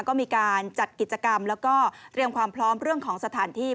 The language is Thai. ก็มีการจัดกิจกรรมแล้วก็เตรียมความพร้อมเรื่องของสถานที่